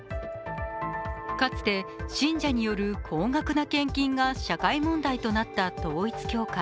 かつて信者による高額な献金が社会問題となった統一教会。